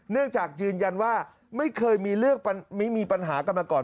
เนื่องจากยืนยันว่าไม่เคยมีเรื่องมีปัญหากันมาก่อน